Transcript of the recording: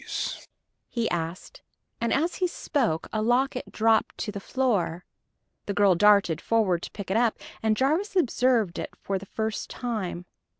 "What about these?" he asked, and as he spoke a locket dropped to the floor. The girl darted forward to pick it up, and Jarvis observed it for the first time.